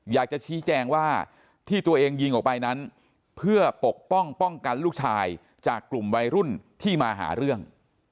อยากจะชี้แจงว่าที่ตัวเองยิงออกไปนั้นเพื่อปกป้องป้องกันลูกชายจากกลุ่มวัยรุ่นที่มาหาเรื่อง